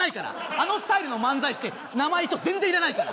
あのスタイルの漫才して名前一緒全然いらないから！